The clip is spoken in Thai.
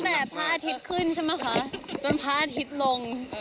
แต่พระอาทิตย์ขึ้นใช่ไหมคะจนพระอาทิตย์ลง